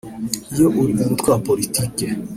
Iyo uri umutwe wa politiki